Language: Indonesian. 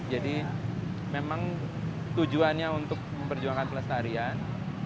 jadi memang tujuannya untuk memperjuangkan pelestarian